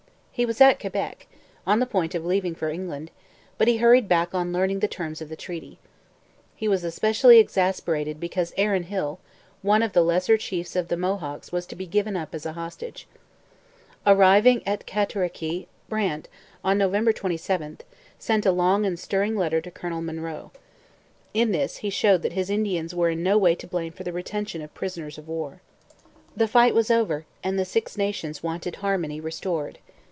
He was at Quebec, on the point of leaving for England, but he hurried back on learning the terms of the treaty. He was especially exasperated because Aaron Hill, one of the lesser chiefs of the Mohawks, was to be given up as a hostage. Arriving at Cataraqui, Brant, on November 27, sent a long and stirring letter to Colonel Munroe. In this he showed that his Indians were in no way to blame for the retention of prisoners of war. The fight was over, and the Six Nations wanted harmony restored.